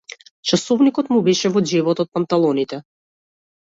Часовникот му беше во џебот од панталоните.